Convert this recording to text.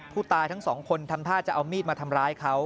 ผู้ตายทั้งสองคนทำพลาดจะเอามีดมาทำร้ายเขา